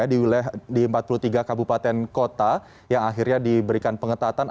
di empat puluh tiga kabupaten kota yang akhirnya diberikan pengetatan